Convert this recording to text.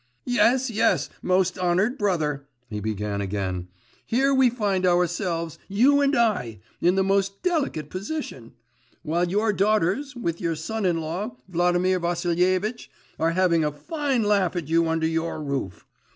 'Yes, yes, most honoured brother,' he began again, 'here we find ourselves, you and I, in the most delicate position. While your daughters, with your son in law, Vladimir Vassilievitch, are having a fine laugh at you under your roof.